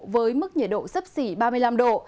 với mức nhiệt độ sấp xỉ ba mươi năm độ